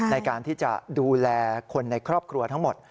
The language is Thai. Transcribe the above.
ในการที่จะดูแลคนในครอบครัวทั้งหมด